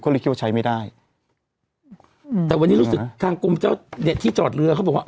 ก็เลยคิดว่าใช้ไม่ได้อืมแต่วันนี้รู้สึกทางกรมเจ้าเนี้ยที่จอดเรือเขาบอกว่า